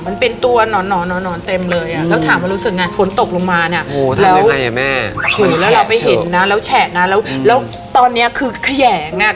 มันเป็นตัวหนอนเต็มเลยอ่ะ